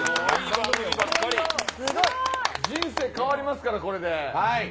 すごい。人生変わりますから、これで。